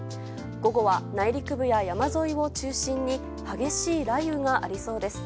午後は内陸部や山沿いを中心に激しい雷雨がありそうです。